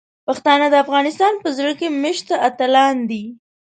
پښتانه د افغانستان په زړه کې میشته اتلان دي.